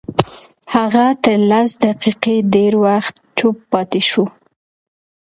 هغه تر لس دقيقې ډېر وخت چوپ پاتې شو.